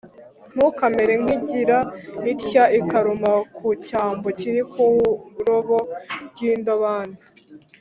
Ntukamere nk i igira itya ikaruma ku cyambo kiri ku rurobo rw indobani